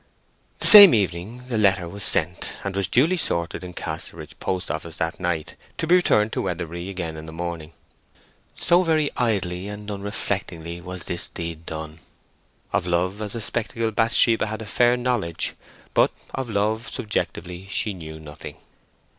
The same evening the letter was sent, and was duly sorted in Casterbridge post office that night, to be returned to Weatherbury again in the morning. So very idly and unreflectingly was this deed done. Of love as a spectacle Bathsheba had a fair knowledge; but of love subjectively she knew nothing.